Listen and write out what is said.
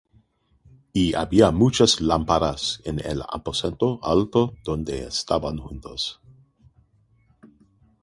Y había muchas lámparas en el aposento alto donde estaban juntos.